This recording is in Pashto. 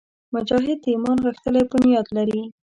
مجاهد د ایمان غښتلی بنیاد لري.